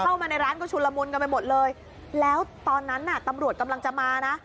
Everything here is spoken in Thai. เข้ามาในร้านก็ชุนละมุนกันไปหมดเลยแล้วตอนนั้นน่ะตำรวจกำลังจะมานะ